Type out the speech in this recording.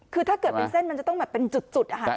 คือถ้าเกิดเป็นเส้นมันจะต้องแบบเป็นจุด